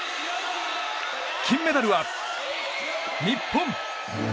金メダルは日本！